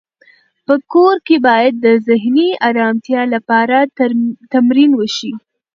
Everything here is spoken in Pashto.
په کور کې باید د ذهني ارامتیا لپاره تمرین وشي.